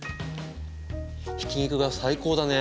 ひき肉が最高だね。